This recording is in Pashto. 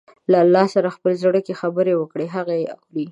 له الله سره په خپل زړه کې خبرې وکړئ، هغه يې اوري.